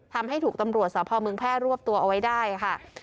ทำให้ถูกตำรวจสพเมืองแพร่รวบตัวเอาไว้ได้ค่ะ